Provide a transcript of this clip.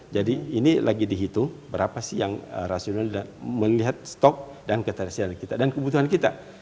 jadi ini lagi dihitung berapa sih yang rasional dan melihat stok dan keterisian kita dan kebutuhan kita